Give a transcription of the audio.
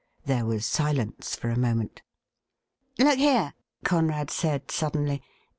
There was silence for a moment. ' Look here,' Conrad said suddenly.